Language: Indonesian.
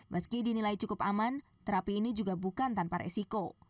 meski dinilai cukup aman terapi ini juga bukan tanpa resiko